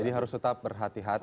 jadi harus tetap berhati hati